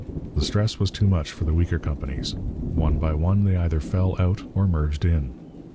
The stress was too much for the weaker companies. One by one they either fell out or 'merged in.'